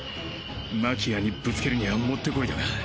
マキアにぶつけるにゃもってこいだが。